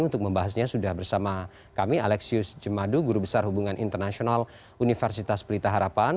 untuk membahasnya sudah bersama kami alexius jemadu guru besar hubungan internasional universitas pelita harapan